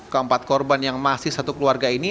keempat korban yang masih satu keluarga ini